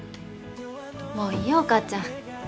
もういいよお母ちゃん。